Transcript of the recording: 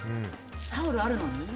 タオルあるのに？